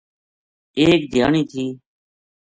ایک دھیانی تھی